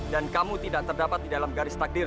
dan kamu tidak terdapat di dalam garis takdir